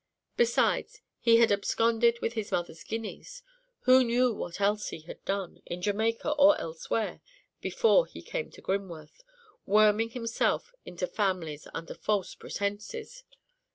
Besides, he had absconded with his mother's guineas: who knew what else he had done, in Jamaica or elsewhere, before he came to Grimworth, worming himself into families under false pretences?